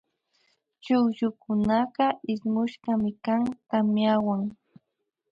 Chukllukunaka ismushkami kan tamyawan